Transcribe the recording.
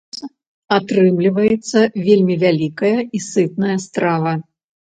Атрымліваецца вельмі вялікая і сытная страва.